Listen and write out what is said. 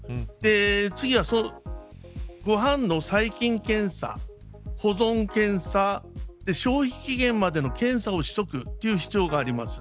次は、ご飯の細菌検査保存検査消費期限までの検査をしておく必要があります。